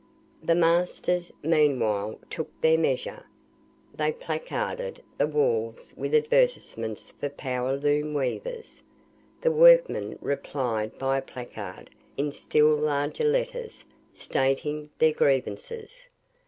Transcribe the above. The masters, meanwhile, took their measures. They placarded the walls with advertisements for power loom weavers. The workmen replied by a placard in still larger letters, stating their grievances.